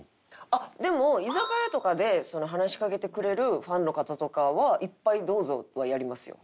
あっでも居酒屋とかで話しかけてくれるファンの方とかは「一杯どうぞ」はやりますよ。